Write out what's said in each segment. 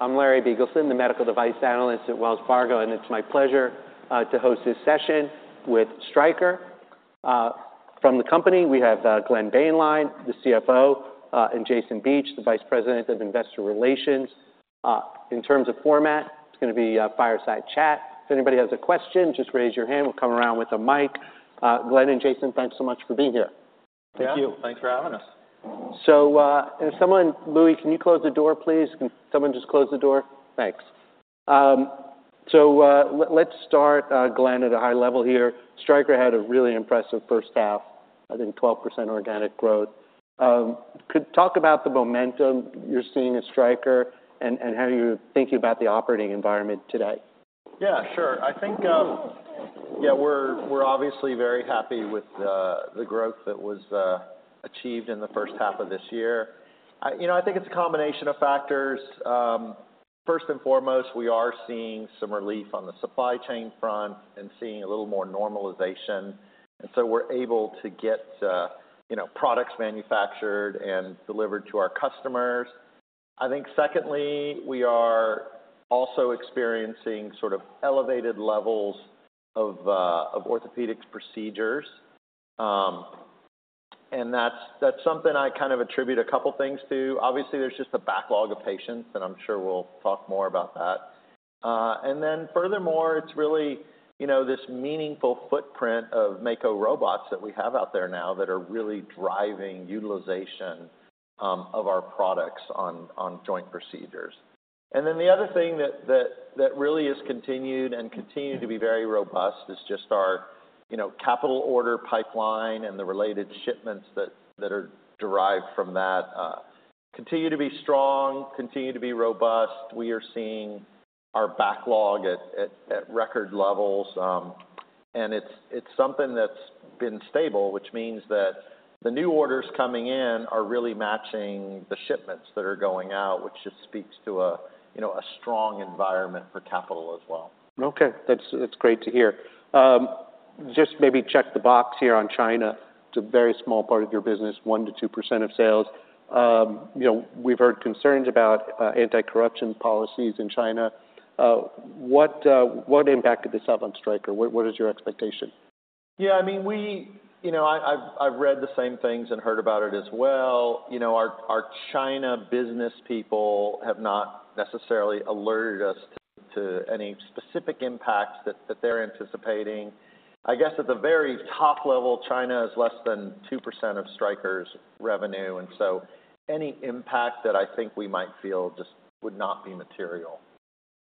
I'm Larry Biegelsen, the medical device analyst at Wells Fargo, and it's my pleasure to host this session with Stryker. From the company, we have Glenn Boehnlein, the CFO, and Jason Beach, the Vice President of Investor Relations. In terms of format, it's gonna be a fireside chat. If anybody has a question, just raise your hand. We'll come around with a mic. Glenn and Jason, thanks so much for being here. Thank you. Thanks for having us. So, if someone, Louis, can you close the door, please? Can someone just close the door? Thanks. So, let's start, Glenn, at a high level here. Stryker had a really impressive H1, I think 12% organic growth. Could you talk about the momentum you're seeing at Stryker and how you're thinking about the operating environment today? Yeah, sure. I think, yeah, we're obviously very happy with the growth that was achieved in the H1 of this year. You know, I think it's a combination of factors. First and foremost, we are seeing some relief on the supply chain front and seeing a little more normalization, and so we're able to get you know, products manufactured and delivered to our customers. I think secondly, we are also experiencing sort of elevated levels of orthopedics procedures. And that's something I kind of attribute a couple things to. Obviously, there's just a backlog of patients, and I'm sure we'll talk more about that. And then furthermore, it's really you know, this meaningful footprint of Mako robots that we have out there now that are really driving utilization of our products on joint procedures. And then the other thing that really has continued to be very robust is just our, you know, capital order pipeline and the related shipments that are derived from that continue to be strong, continue to be robust. We are seeing our backlog at record levels, and it's something that's been stable, which means that the new orders coming in are really matching the shipments that are going out, which just speaks to a, you know, a strong environment for capital as well. Okay. That's great to hear. Just maybe check the box here on China. It's a very small part of your business, 1%-2% of sales. You know, we've heard concerns about anti-corruption policies in China. What impact could this have on Stryker? What is your expectation? Yeah, I mean, we... You know, I, I've read the same things and heard about it as well. You know, our China business people have not necessarily alerted us to any specific impacts that they're anticipating. I guess at the very top level, China is less than 2% of Stryker's revenue, and so any impact that I think we might feel just would not be material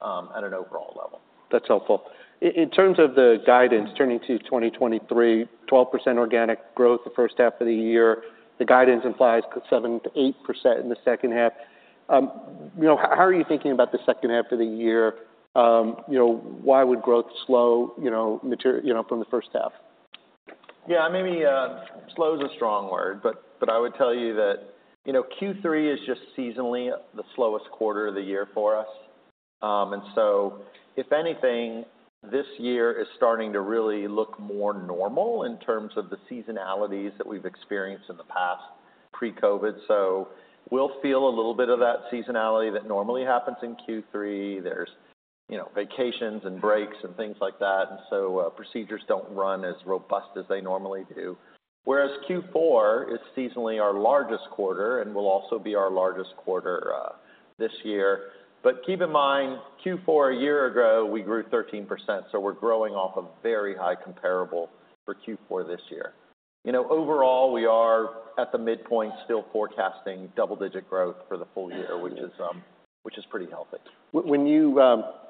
at an overall level. That's helpful. In terms of the guidance, turning to 2023, 12% organic growth the H1 of the year, the guidance implies 7%-8% in the H2. You know, how are you thinking about the H2 of the year? You know, why would growth slow, you know, materially from the H1? Yeah, maybe slow is a strong word, but I would tell you that, you know, Q3 is just seasonally the slowest quarter of the year for us. And so if anything, this year is starting to really look more normal in terms of the seasonalities that we've experienced in the past pre-COVID. So we'll feel a little bit of that seasonality that normally happens in Q3. There's, you know, vacations and breaks and things like that, and so procedures don't run as robust as they normally do. Whereas Q4 is seasonally our largest quarter and will also be our largest quarter this year. But keep in mind, Q4 a year ago, we grew 13%, so we're growing off a very high comparable for Q4 this year. You know, overall, we are at the midpoint, still forecasting double-digit growth for the full year, which is, which is pretty healthy. When you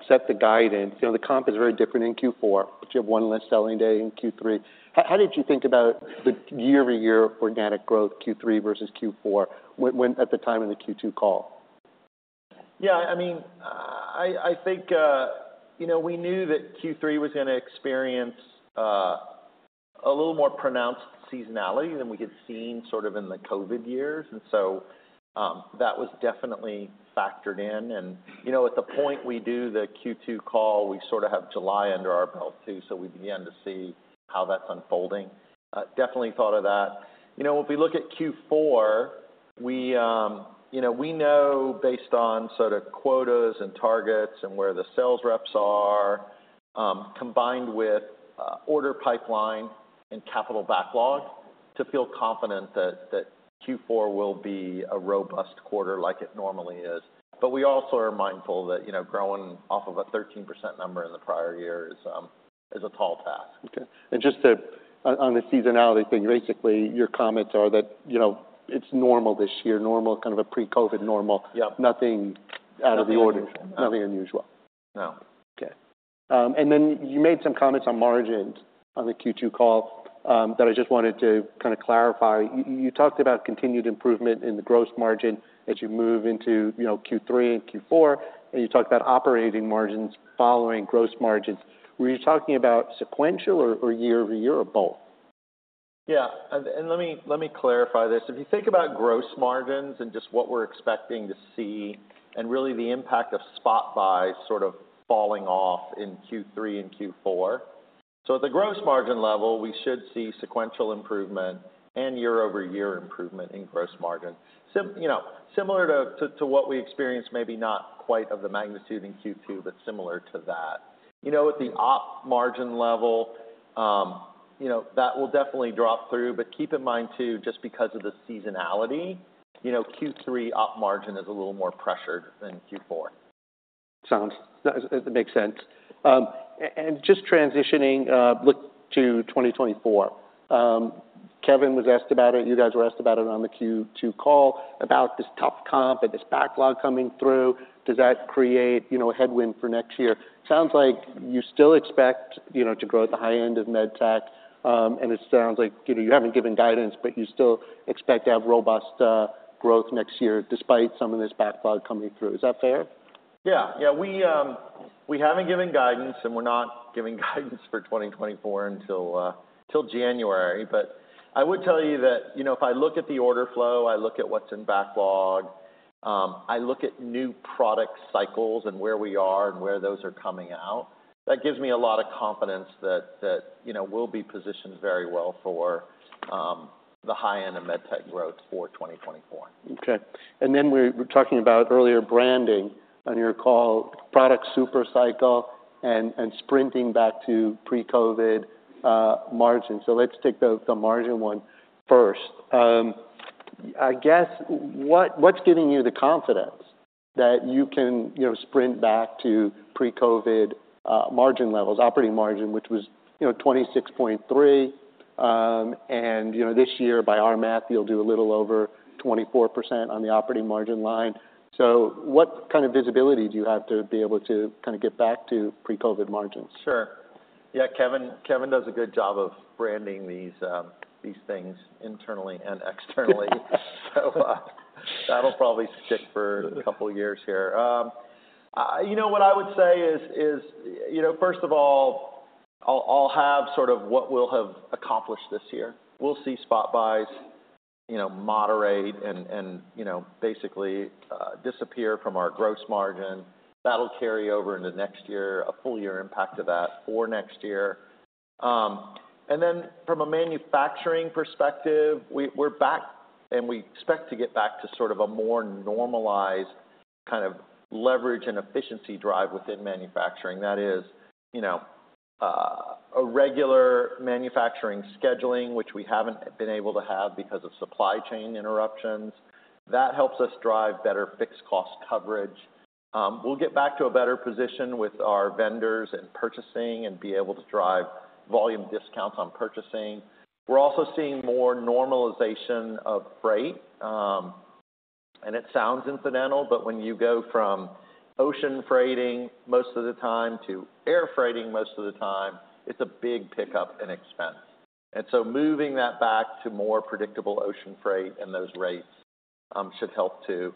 set the guidance, you know, the comp is very different in Q4, but you have one less selling day in Q3. How did you think about the year-over-year organic growth, Q3 versus Q4, when at the time of the Q2 call? Yeah, I mean, I think, you know, we knew that Q3 was gonna experience a little more pronounced seasonality than we had seen sort of in the COVID years, and so, that was definitely factored in. And, you know, at the point we do the Q2 call, we sort of have July under our belt, too, so we begin to see how that's unfolding. Definitely thought of that. You know, if we look at Q4, we, you know, we know based on sort of quotas and targets and where the sales reps are, combined with, order pipeline and capital backlog, to feel confident that Q4 will be a robust quarter like it normally is. But we also are mindful that, you know, growing off of a 13% number in the prior year is a tall task. Okay. And just to on the seasonality thing, basically, your comments are that, you know, it's normal this year, normal, kind of a pre-COVID normal. Yep. Nothing out of the order. Nothing unusual. Nothing unusual. No. Okay. And then you made some comments on margins on the Q2 call that I just wanted to kind of clarify. You talked about continued improvement in the gross margin as you move into, you know, Q3 and Q4, and you talked about operating margins following gross margins. Were you talking about sequential or, or year-over-year, or both? Yeah, and let me clarify this. If you think about gross margins and just what we're expecting to see and really the impact of spot buys sort of falling off in Q3 and Q4... So at the gross margin level, we should see sequential improvement and year-over-year improvement in gross margin. You know, similar to what we experienced, maybe not quite of the magnitude in Q2, but similar to that. You know, at the op margin level, you know, that will definitely drop through. But keep in mind, too, just because of the seasonality, you know, Q3 op margin is a little more pressured than Q4. Sounds, it makes sense. And just transitioning, look to 2024. Kevin was asked about it, you guys were asked about it on the Q2 call, about this tough comp and this backlog coming through. Does that create, you know, a headwind for next year? Sounds like you still expect, you know, to grow at the high end of med tech. And it sounds like, you know, you haven't given guidance, but you still expect to have robust growth next year, despite some of this backlog coming through. Is that fair? Yeah. Yeah, we, we haven't given guidance, and we're not giving guidance for 2024 until, till January. But I would tell you that, you know, if I look at the order flow, I look at what's in backlog, I look at new product cycles and where we are and where those are coming out, that gives me a lot of confidence that, that, you know, we'll be positioned very well for, the high end of med tech growth for 2024. Okay. And then we were talking about earlier, branding on your call, product super cycle and sprinting back to pre-COVID margin. So let's take the margin one first. I guess, what's giving you the confidence that you can, you know, sprint back to pre-COVID margin levels, operating margin, which was, you know, 26.3? And, you know, this year, by our math, you'll do a little over 24% on the operating margin line. So what kind of visibility do you have to be able to kind of get back to pre-COVID margins? Sure. Yeah, Kevin, Kevin does a good job of branding these, these things internally and externally. So, that'll probably stick for a couple of years here. You know, what I would say is, you know, first of all, what we'll have accomplished this year. We'll see spot buys, you know, moderate and, you know, basically, disappear from our gross margin. That'll carry over into next year, a full year impact of that for next year. And then from a manufacturing perspective, we're back, and we expect to get back to sort of a more normalized kind of leverage and efficiency drive within manufacturing. That is, you know, a regular manufacturing scheduling, which we haven't been able to have because of supply chain interruptions. That helps us drive better fixed cost coverage. We'll get back to a better position with our vendors and purchasing and be able to drive volume discounts on purchasing. We're also seeing more normalization of freight, and it sounds incidental, but when you go from ocean freighting most of the time to air freighting most of the time, it's a big pickup in expense. And so moving that back to more predictable ocean freight and those rates should help, too.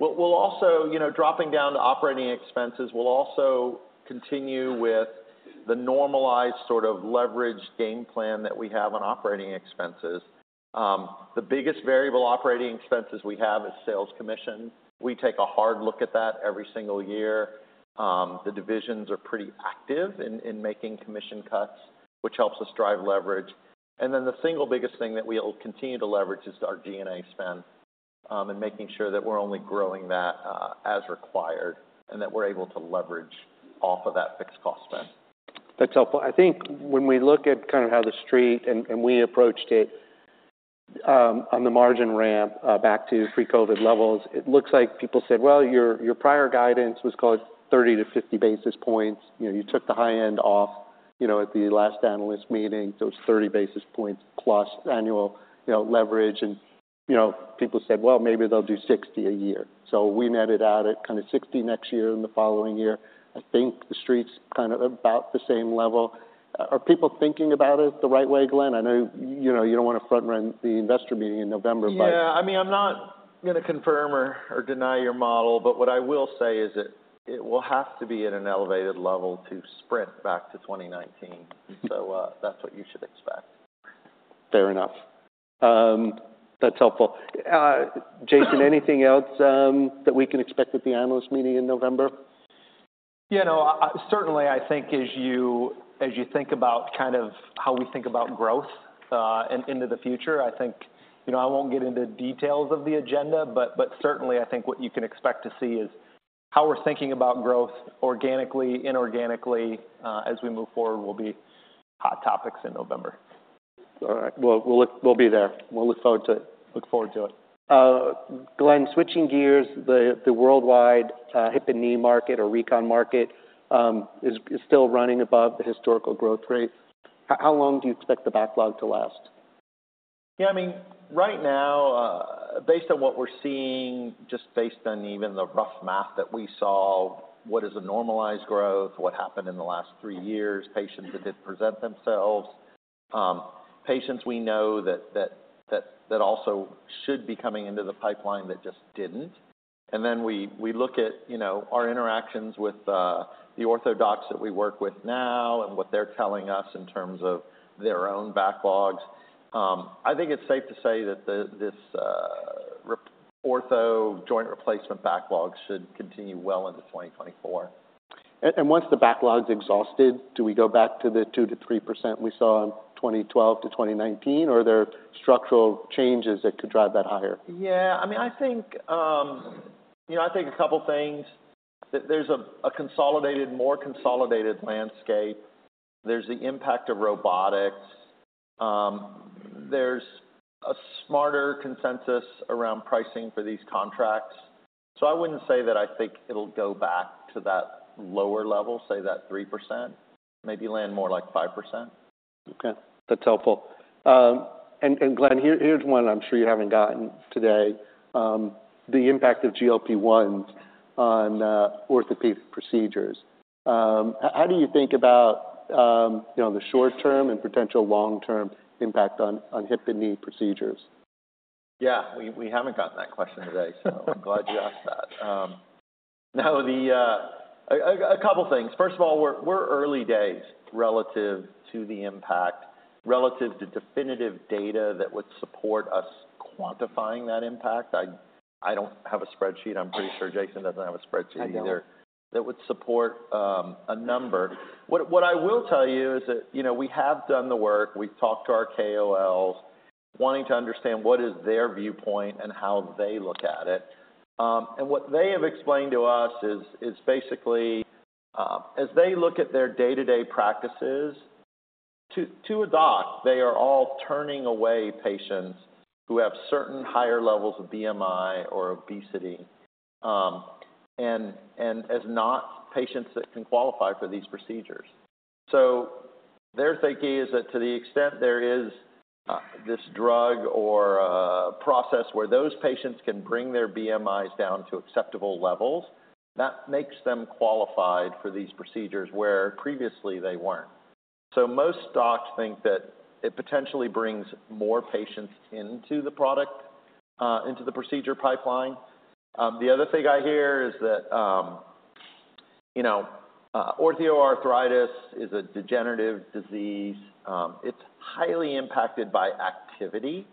We'll also. You know, dropping down to operating expenses, we'll also continue with the normalized sort of leverage game plan that we have on operating expenses. The biggest variable operating expenses we have is sales commission. We take a hard look at that every single year. The divisions are pretty active in making commission cuts, which helps us drive leverage. And then the single biggest thing that we'll continue to leverage is our D&A spend, and making sure that we're only growing that, and that we're able to leverage off of that fixed cost spend. That's helpful. I think when we look at kind of how The Street and we approached it on the margin ramp back to pre-COVID levels, it looks like people said, "Well, your prior guidance was called 30-50 basis points." You know, you took the high end off, you know, at the last analyst meeting, those 30 basis points plus annual, you know, leverage. And, you know, people said, "Well, maybe they'll do 60 a year." So we netted out at kind of 60 next year and the following year. I think The Street's kind of about the same level. Are people thinking about it the right way, Glenn? I know, you know, you don't want to front run the investor meeting in November, but- Yeah, I mean, I'm not going to confirm or deny your model, but what I will say is that it will have to be at an elevated level to sprint back to 2019. So, that's what you should expect. Fair enough. That's helpful. Jason, anything else that we can expect at the analyst meeting in November? You know, certainly, I think as you think about kind of how we think about growth and into the future, I think. You know, I won't get into details of the agenda, but certainly, I think what you can expect to see is how we're thinking about growth organically, inorganically, as we move forward, will be hot topics in November. All right. Well, we'll be there. We'll look forward to it. Look forward to it. Glenn, switching gears, the worldwide hip and knee market or recon market is still running above the historical growth rate. How long do you expect the backlog to last? Yeah, I mean, right now, based on what we're seeing, just based on even the rough math that we saw, what is a normalized growth, what happened in the last three years, patients that didn't present themselves, patients we know that also should be coming into the pipeline that just didn't. And then we look at, you know, our interactions with the ortho docs that we work with now and what they're telling us in terms of their own backlogs. I think it's safe to say that this ortho joint replacement backlog should continue well into 2024. And once the backlog's exhausted, do we go back to the 2%-3% we saw in 2012-2019, or are there structural changes that could drive that higher? Yeah, I mean, I think, you know, I think a couple things. That there's a consolidated, more consolidated landscape. There's the impact of robotics. There's a smarter consensus around pricing for these contracts. So I wouldn't say that I think it'll go back to that lower level, say that 3%, maybe land more like 5%. Okay, that's helpful. And Glenn, here's one I'm sure you haven't gotten today. The impact of GLP-1s on orthopedic procedures. How do you think about, you know, the short-term and potential long-term impact on hip and knee procedures? Yeah, we haven't gotten that question today, so I'm glad you asked that. Now, a couple things. First of all, we're early days relative to the impact, relative to definitive data that would support us quantifying that impact. I don't have a spreadsheet. I'm pretty sure Jason doesn't have a spreadsheet either. I don't. That would support a number. What, what I will tell you is that, you know, we have done the work. We've talked to our KOLs, wanting to understand what is their viewpoint and how they look at it. And what they have explained to us is basically, as they look at their day-to-day practices, to a doc, they are all turning away patients who have certain higher levels of BMI or obesity, and as not patients that can qualify for these procedures. So their thinking is that to the extent there is this drug or a process where those patients can bring their BMIs down to acceptable levels, that makes them qualified for these procedures, where previously they weren't. So most docs think that it potentially brings more patients into the product, into the procedure pipeline. The other thing I hear is that, you know, osteoarthritis is a degenerative disease. It's highly impacted by activity,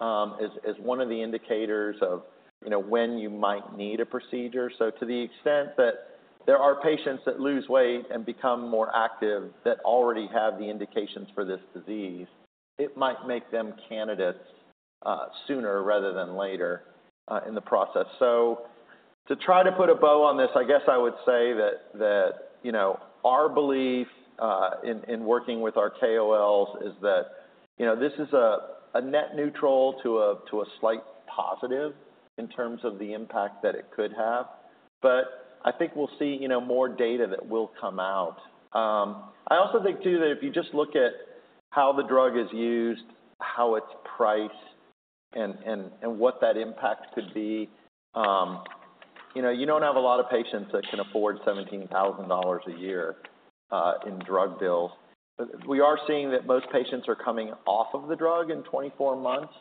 as one of the indicators of, you know, when you might need a procedure. So to the extent that there are patients that lose weight and become more active, that already have the indications for this disease, it might make them candidates, sooner rather than later, in the process. So to try to put a bow on this, I guess I would say that, you know, our belief, in working with our KOLs is that, you know, this is a net neutral to a slight positive in terms of the impact that it could have. But I think we'll see, you know, more data that will come out. I also think, too, that if you just look at how the drug is used, how it's priced, and what that impact could be, you know, you don't have a lot of patients that can afford $17,000 a year in drug bills. We are seeing that most patients are coming off of the drug in 24 months,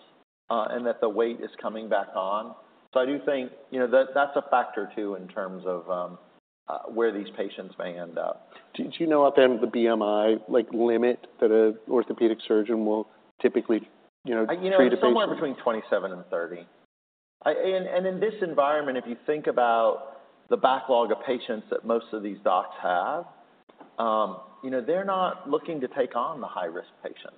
and that the weight is coming back on. So I do think, you know, that that's a factor, too, in terms of where these patients may end up. Do you know off the end of the BMI, like, limit that an orthopedic surgeon will typically, you know, treat a patient? You know, somewhere between 27 and 30. In this environment, if you think about the backlog of patients that most of these docs have, you know, they're not looking to take on the high-risk patients.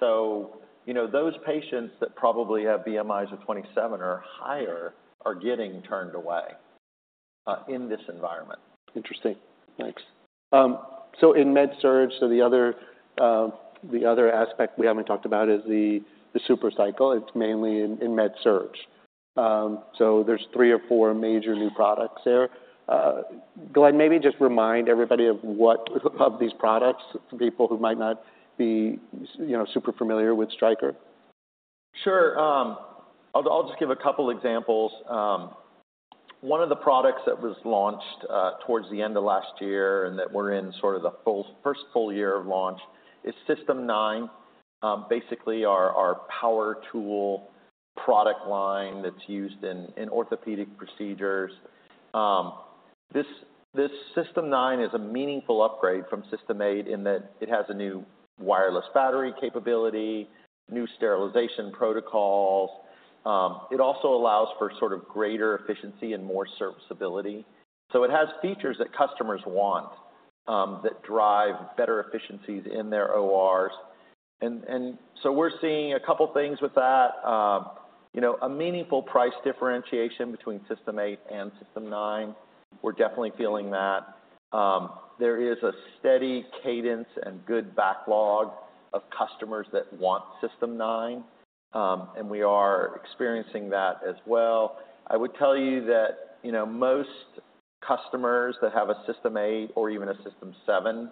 So, you know, those patients that probably have BMIs of 27 or higher are getting turned away in this environment. Interesting. Thanks. So in MedSurg, so the other aspect we haven't talked about is the super cycle. It's mainly in MedSurg. So there's three or four major new products there. Glenn, maybe just remind everybody of what these products are, for people who might not be, you know, super familiar with Stryker. Sure. I'll just give a couple examples. One of the products that was launched towards the end of last year and that we're in sort of the first full- year of launch is System 9. Basically, our power tool product line that's used in orthopedic procedures. This System 9 is a meaningful upgrade from System 8 in that it has a new wireless battery capability, new sterilization protocols. It also allows for sort of greater efficiency and more serviceability. So it has features that customers want that drive better efficiencies in their ORs. And so we're seeing a couple things with that. You know, a meaningful price differentiation between System 8 and System 9. We're definitely feeling that. There is a steady cadence and good backlog of customers that want System 9, and we are experiencing that as well. I would tell you that, you know, most customers that have a System 8 or even a System 7,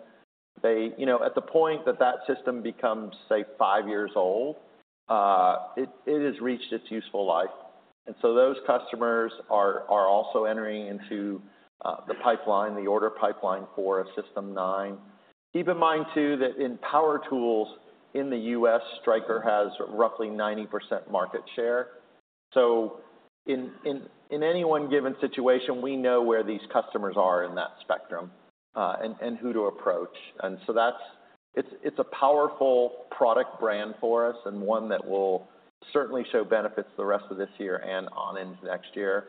they, you know, at the point that that system becomes, say, five years old, it has reached its useful life. And so those customers are also entering into the pipeline, the order pipeline for a System 9. Keep in mind too, that in power tools in the U.S., Stryker has roughly 90% market share. So in any one given situation, we know where these customers are in that spectrum, and who to approach. And so that's-. It's a powerful product brand for us, and one that will certainly show benefits the rest of this year and on into next year.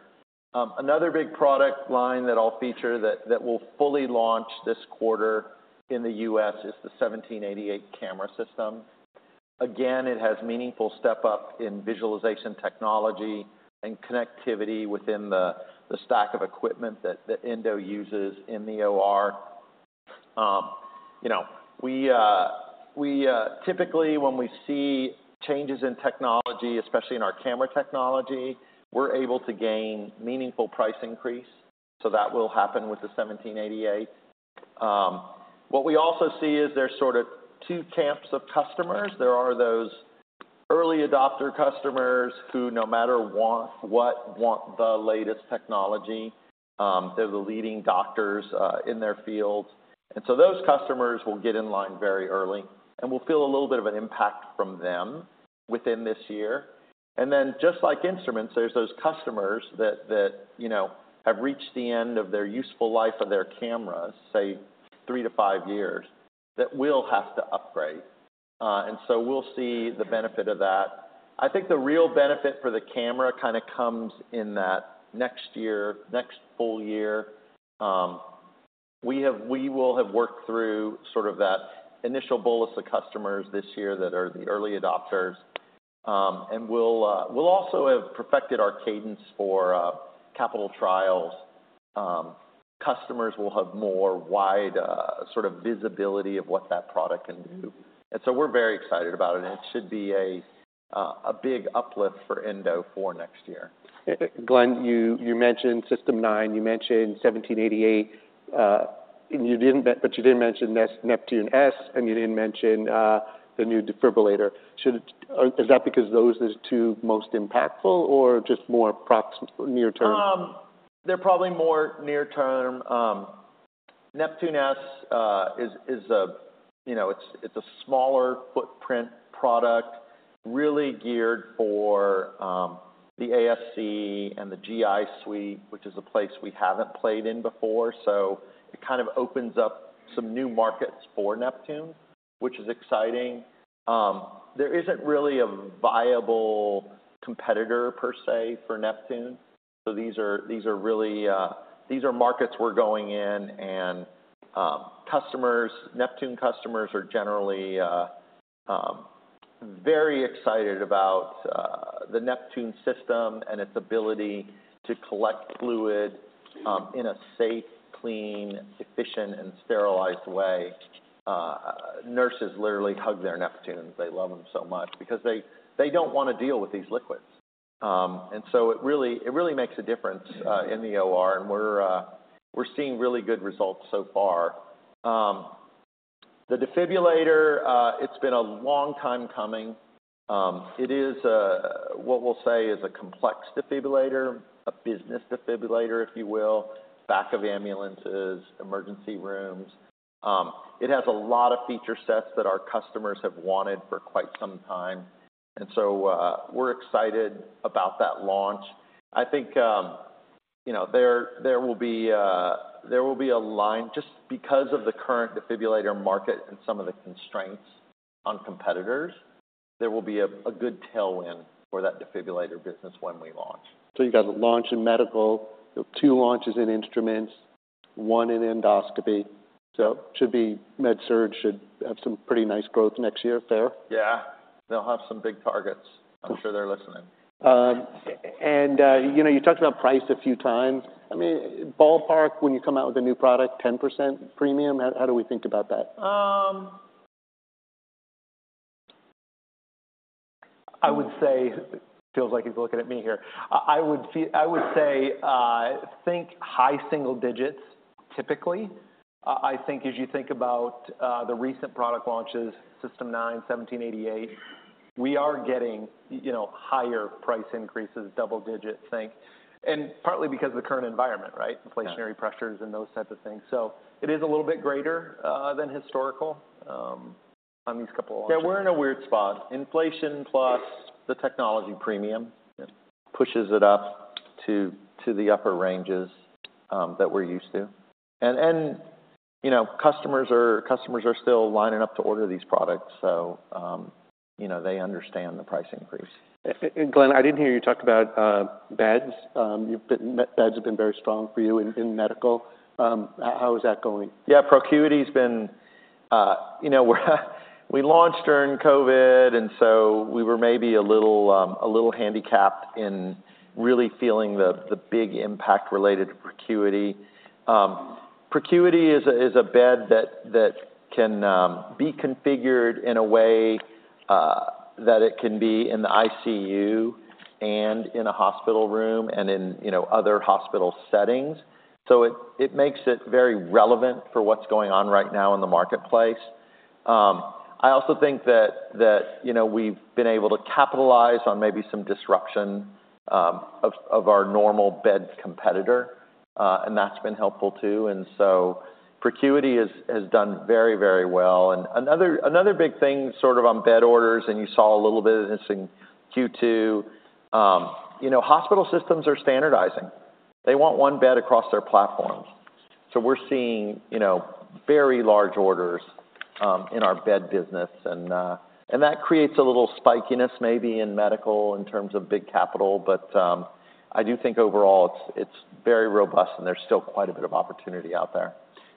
Another big product line that I'll feature that will fully launch this quarter in the U.S. is the 1788 camera system. Again, it has meaningful step up in visualization technology and connectivity within the stack of equipment that the endo uses in the OR. You know, we typically, when we see changes in technology, especially in our camera technology, we're able to gain meaningful price increase, so that will happen with the 1788. What we also see is there's sort of two camps of customers. There are those early adopter customers who, no matter what, want the latest technology, they're the leading doctors in their fields. So those customers will get in line very early, and we'll feel a little bit of an impact from them within this year. And then, just like instruments, there's those customers that you know have reached the end of their useful life of their cameras, say three-five years, that will have to upgrade, and so we'll see the benefit of that. I think the real benefit for the camera kind of comes in that next year, next full year. We will have worked through sort of that initial bolus of customers this year that are the early adopters. And we'll we'll also have perfected our cadence for capital trials. Customers will have more wide, sort of visibility of what that product can do, and so we're very excited about it, and it should be a big uplift for Endo for next year. Glenn, you mentioned System 9, you mentioned 1788, and you didn't mention Neptune S, and you didn't mention the new defibrillator. Is that because those are the two most impactful or just more near term? They're probably more near term. Neptune S is a, you know, it's a smaller footprint product, really geared for the ASC and the GI suite, which is a place we haven't played in before. So it kind of opens up some new markets for Neptune, which is exciting. There isn't really a viable competitor per se for Neptune, so these are, these are really. These are markets we're going in, and, customers—Neptune customers are generally very excited about the Neptune system and its ability to collect fluid in a safe, clean, efficient, and sterilized way. Nurses literally hug their Neptunes. They love them so much because they don't want to deal with these liquids. And so it really, it really makes a difference in the OR, and we're seeing really good results so far. The defibrillator, it's been a long time coming. It is what we'll say is a complex defibrillator, a business defibrillator, if you will. Back of ambulances, emergency rooms. It has a lot of feature sets that our customers have wanted for quite some time, and so we're excited about that launch. I think, you know, there will be a line just because of the current defibrillator market and some of the constraints on competitors. There will be a good tailwind for that defibrillator business when we launch. So you got a launch in medical, you have two launches in instruments, one in endoscopy. So should be MedSurg should have some pretty nice growth next year. Fair? Yeah, they'll have some big targets. I'm sure they're listening. You know, you talked about price a few times. I mean, ballpark, when you come out with a new product, 10% premium? How do we think about that? I would say. Feels like he's looking at me here. I would say, think high single digits, typically. I think as you think about the recent product launches, System 9, 1788, we are getting, you know, higher price increases, double digits, I think, and partly because of the current environment, right? Yeah. Inflationary pressures and those types of things. So it is a little bit greater than historical on these couple launches. Yeah, we're in a weird spot. Inflation plus the technology premium- Yeah Pushes it up to the upper ranges that we're used to. You know, customers are still lining up to order these products, so you know, they understand the price increase. Glenn, I didn't hear you talk about beds. Beds have been very strong for you in medical. How is that going? Yeah, Procuity's been, you know, we launched during COVID, and so we were maybe a little, a little handicapped in really feeling the big impact related to Procuity. Procuity is a bed that can be configured in a way that it can be in the ICU and in a hospital room and in, you know, other hospital settings. So it makes it very relevant for what's going on right now in the marketplace. I also think that, you know, we've been able to capitalize on maybe some disruption of our normal beds competitor, and that's been helpful too. And so Procuity has done very, very well. And another big thing, sort of on bed orders, and you saw a little bit of this in Q2, you know, hospital systems are standardizing. They want one bed across their platforms. So we're seeing, you know, very large orders in our bed business, and that creates a little spikiness maybe in medical in terms of big capital, but I do think overall it's very robust, and there's still quite a bit of opportunity out there.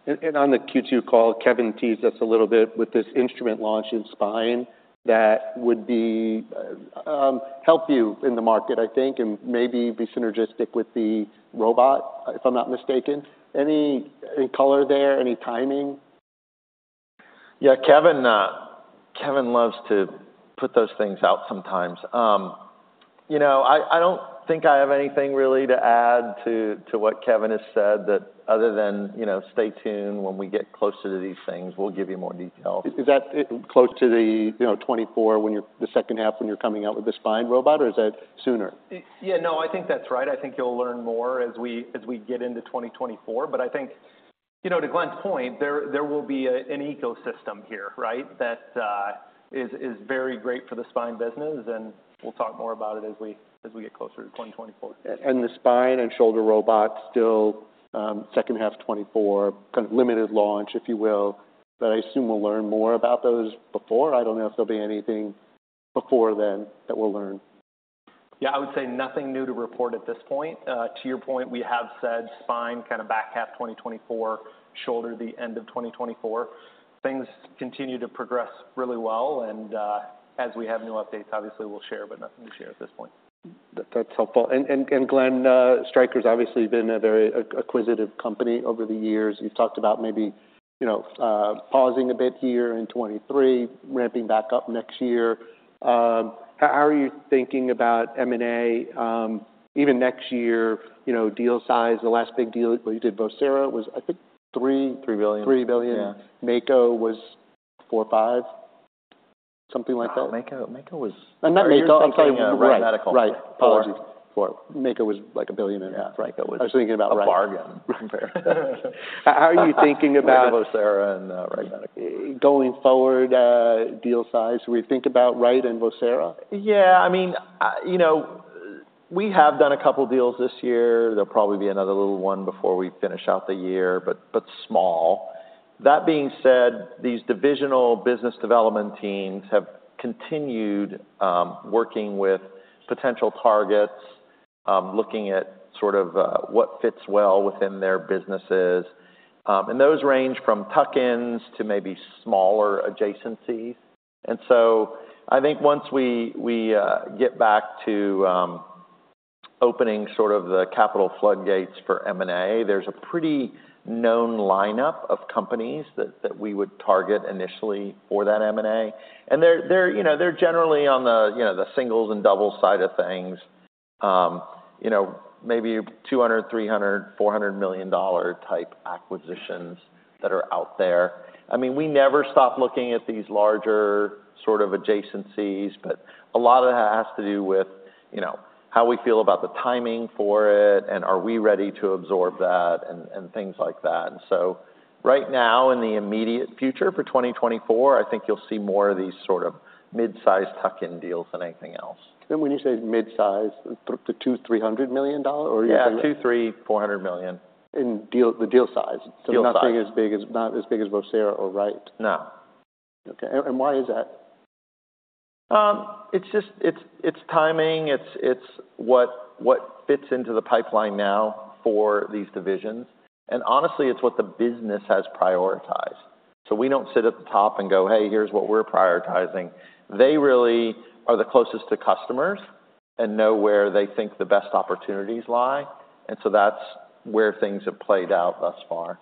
And on the Q2 call, Kevin teased us a little bit with this instrument launch in spine that would be help you in the market, I think, and maybe be synergistic with the robot, if I'm not mistaken. Any color there? Any timing? Yeah, Kevin, Kevin loves to put those things out sometimes. You know, I don't think I have anything really to add to what Kevin has said other than, you know, stay tuned when we get closer to these things, we'll give you more detail. Is that close to the, you know, 2024, the H2 when you're coming out with the spine robot, or is that sooner? Yeah, no, I think that's right. I think you'll learn more as we get into 2024, but I think, you know, to Glenn's point, there will be an ecosystem here, right? That is very great for the spine business, and we'll talk more about it as we get closer to 2024. The spine and shoulder robot still H2 2024, kind of limited launch, if you will, but I assume we'll learn more about those before. I don't know if there'll be anything before then that we'll learn. Yeah, I would say nothing new to report at this point. To your point, we have said spine kind of back half 2024, shoulder, the end of 2024. Things continue to progress really well, and as we have new updates, obviously we'll share, but nothing to share at this point. That's helpful. And Glenn, Stryker's obviously been a very acquisitive company over the years. You've talked about maybe, you know, pausing a bit here in 2023, ramping back up next year. How are you thinking about M&A, even next year, you know, deal size? The last big deal where you did Vocera was, I think, three- Three billion. Three billion. Yeah. Mako was four or five, something like that. Mako was- Not Mako, I'm sorry. Wright Medical. Right. Apologies. Four. Mako was, like, $1 billion in- Yeah, Mako was- I was thinking about- A bargain. How are you thinking about- Vocera and, Wright Medical. Going forward, deal size, we think about Wright and Vocera? Yeah, I mean, you know, we have done a couple deals this year. There'll probably be another little one before we finish out the year, but, but small. That being said, these divisional business development teams have continued, working with potential targets, looking at sort of, what fits well within their businesses. And those range from tuck-ins to maybe smaller adjacencies. And so I think once we get back to, opening sort of the capital floodgates for M&A, there's a pretty known lineup of companies that we would target initially for that M&A. And they're, you know, they're generally on the, you know, the singles and doubles side of things. You know, maybe $200 million, $300 million, $400 million type acquisitions that are out there. I mean, we never stop looking at these larger sort of adjacencies, but a lot of that has to do with, you know, how we feel about the timing for it, and are we ready to absorb that, and, and things like that. And so right now, in the immediate future, for 2024, I think you'll see more of these sort of mid-sized tuck-in deals than anything else. Then when you say mid-size, the $200-$300 million, or you- Yeah, $200 million, $300 million, $400 million. In deal, the deal size. Deal size. So not as big as Vocera or Wright? No. Okay, and why is that? It's just timing, it's what fits into the pipeline now for these divisions, and honestly, it's what the business has prioritized. So we don't sit at the top and go, "Hey, here's what we're prioritizing." They really are the closest to customers and know where they think the best opportunities lie, and so that's where things have played out thus far.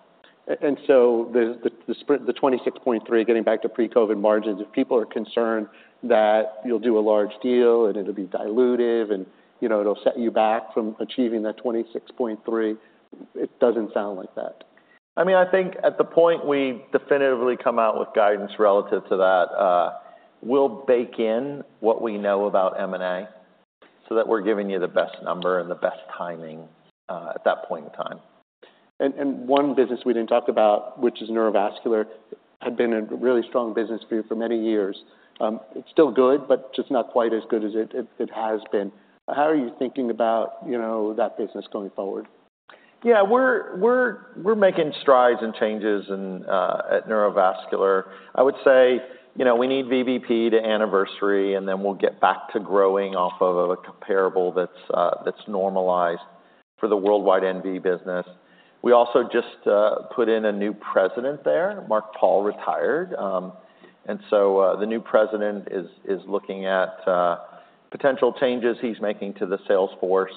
So the sprint, the 26.3%, getting back to pre-COVID margins, if people are concerned that you'll do a large deal and it'll be dilutive and, you know, it'll set you back from achieving that 26.3%, it doesn't sound like that. I mean, I think at the point we definitively come out with guidance relative to that, we'll bake in what we know about M&A, so that we're giving you the best number and the best timing, at that point in time. One business we didn't talk about, which is Neurovascular, had been a really strong business for you for many years. It's still good, but just not quite as good as it has been. How are you thinking about, you know, that business going forward? Yeah, we're making strides and changes and at Neurovascular. I would say, you know, we need VBP to anniversary, and then we'll get back to growing off of a comparable that's normalized for the worldwide NV business. We also just put in a new president there. Mark Paul retired, and so the new president is looking at potential changes he's making to the sales force.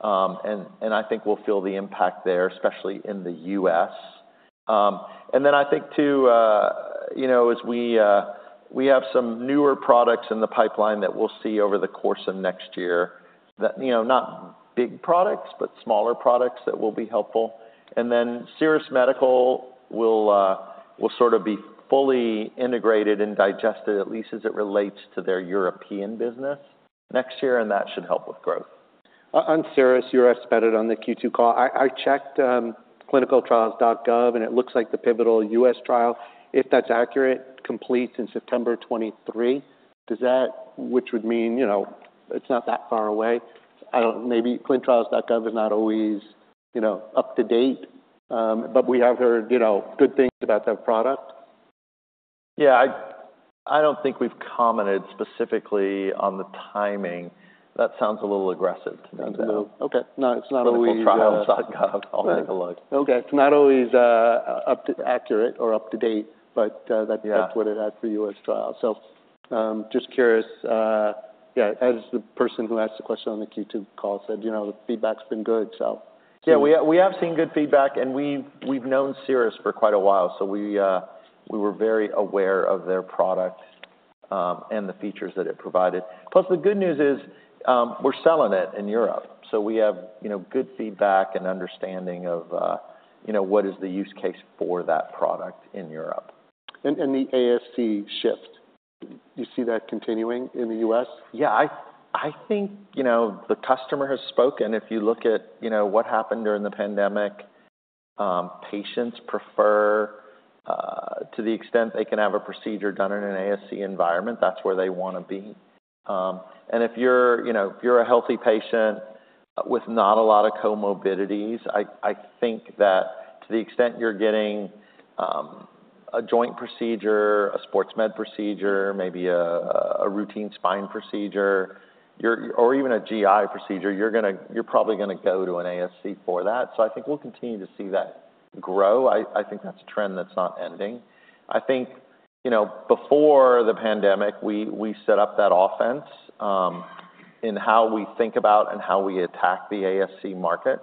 And I think we'll feel the impact there, especially in the U.S. And then I think too, you know, as we we have some newer products in the pipeline that we'll see over the course of next year, that, you know, not big products, but smaller products that will be helpful. Then Cerus Endovascular will sort of be fully integrated and digested, at least as it relates to their European business next year, and that should help with growth. On Cerus, you're expected on the Q2 call. I checkedClinicalTrials.gov, and it looks like the pivotal U.S. trial, if that's accurate, completes in September 2023. Does that, which would mean, you know, it's not that far away. I don't, maybeClinicalTrials.gov is not always, you know, up to date, but we have heard, you know, good things about that product. Yeah, I don't think we've commented specifically on the timing. That sounds a little aggressive to me, though. Sounds a little. Okay. No, it's not always, ClinicalTrials.gov. I'll take a look. Okay. It's not always up to accurate or up to date, but, Yeah That's what it had for you as trial. So, just curious, yeah, as the person who asked the question on the Q2 call said, you know, the feedback's been good, so- Yeah, we have, we have seen good feedback, and we've, we've known Cerus for quite a while, so we, we were very aware of their product, and the features that it provided. Plus, the good news is, we're selling it in Europe, so we have, you know, good feedback and understanding of, you know, what is the use case for that product in Europe. And the ASC shift, do you see that continuing in the U.S.? Yeah, I think, you know, the customer has spoken. If you look at, you know, what happened during the pandemic, patients prefer, to the extent they can have a procedure done in an ASC environment, that's where they wanna be. And if you're, you know, if you're a healthy patient with not a lot of comorbidities, I think that to the extent you're getting a joint procedure, a sports med procedure, maybe a routine spine procedure, or even a GI procedure, you're probably gonna go to an ASC for that. So I think we'll continue to see that grow. I think that's a trend that's not ending. I think, you know, before the pandemic, we set up that offense in how we think about and how we attack the ASC market.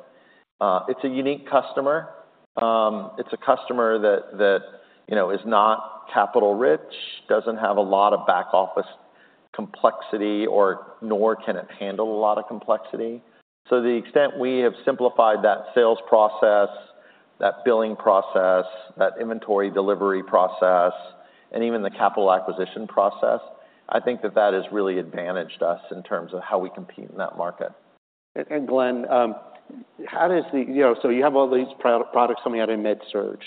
It's a unique customer. It's a customer that, you know, is not capital rich, doesn't have a lot of back office complexity or nor can it handle a lot of complexity. So to the extent we have simplified that sales process, that billing process, that inventory delivery process, and even the capital acquisition process, I think that has really advantaged us in terms of how we compete in that market. Glenn, how does the, you know, so you have all these products coming out in MedSurg.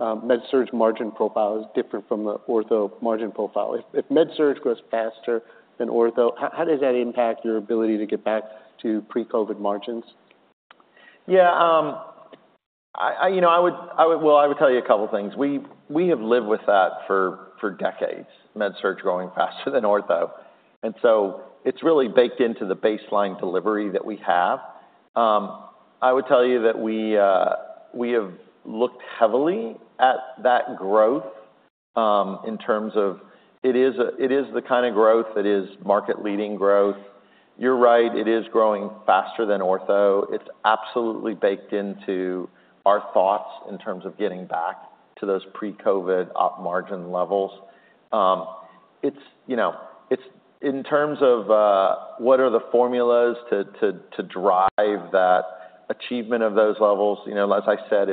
MedSurg's margin profile is different from the Ortho margin profile. If MedSurg grows faster than Ortho, how does that impact your ability to get back to pre-COVID margins? Yeah, you know, I would. Well, I would tell you a couple things. We have lived with that for decades, MedSurg growing faster than Ortho, and so it's really baked into the baseline delivery that we have. I would tell you that we have looked heavily at that growth, in terms of it is the kind of growth that is market-leading growth. You're right, it is growing faster than Ortho. It's absolutely baked into our thoughts in terms of getting back to those pre-COVID op margin levels. You know, it's in terms of what are the formulas to drive that achievement of those levels. You know, as I said,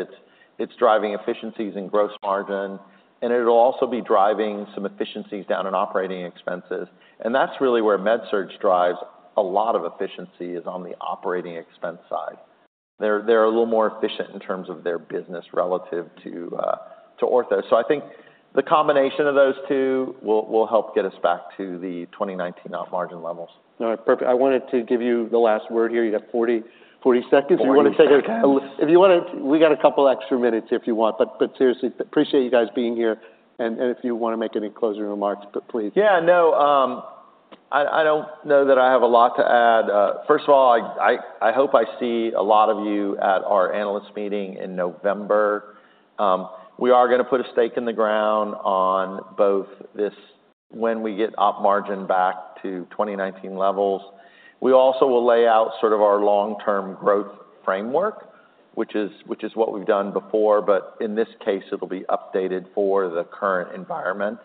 it's driving efficiencies in gross margin, and it'll also be driving some efficiencies down in operating expenses, and that's really where MedSurg drives a lot of efficiency, is on the operating expense side. They're a little more efficient in terms of their business relative to Ortho. So I think the combination of those two will help get us back to the 2019 op margin levels. All right, perfect. I wanted to give you the last word here. You have 40, 40 seconds. 40 seconds! If you want to take it. If you want to, we got a couple extra minutes if you want. But seriously, appreciate you guys being here, and if you want to make any closing remarks, please. Yeah, no, I don't know that I have a lot to add. First of all, I hope I see a lot of you at our analyst meeting in November. We are gonna put a stake in the ground on both this, when we get op margin back to 2019 levels. We also will lay out sort of our long-term growth framework, which is what we've done before, but in this case, it'll be updated for the current environment.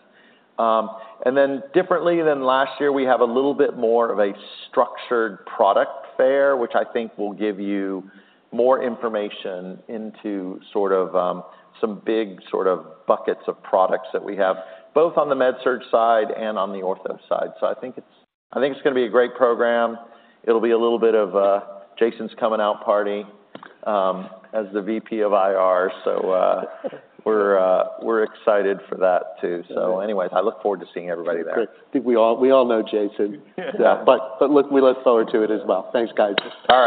And then differently than last year, we have a little bit more of a structured product fair, which I think will give you more information into sort of some big sort of buckets of products that we have, both on the MedSurg side and on the Ortho side. So I think it's gonna be a great program. It'll be a little bit of Jason's coming out party as the VP of IR. So, we're excited for that, too. Yeah. So anyways, I look forward to seeing everybody there. Great. I think we all, we all know Jason. Yeah. But look, we look forward to it as well. Thanks, guys. All right.